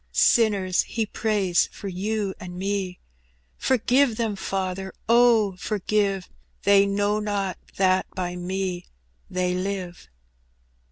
Sinners, He prays for you and me : Forgive them, Father, oh ! forgive j They know not that by Me they live."